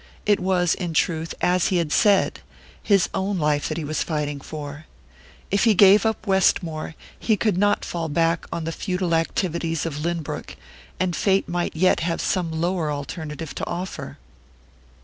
It was, in truth, as he had said, his own life that he was fighting for. If he gave up Westmore he could not fall back on the futile activities of Lynbrook, and fate might yet have some lower alternative to offer.